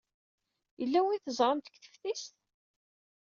Yella win teẓramt deg teftist?